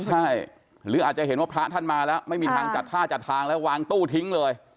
ใช่หรืออาจจะเห็นว่าพระท่านมาแล้วไม่มีทางจัดท่าจัดทางแล้ววางตู้ทิ้งเลย